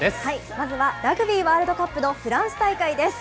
まずはラグビーワールドカップのフランス大会です。